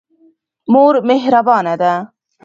مور مهربانه ده.